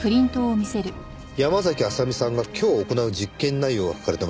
山嵜麻美さんが今日行う実験内容が書かれてます。